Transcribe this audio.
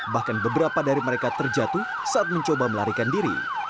bahkan beberapa dari mereka terjatuh saat mencoba melarikan diri